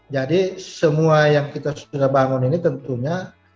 semua yang kita sudah bangun ini tentunya